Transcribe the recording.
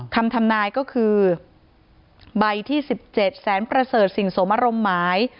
ทำนายก็คือใบที่๑๗แสนประเสริฐสิ่งสมอารมณ์หมาย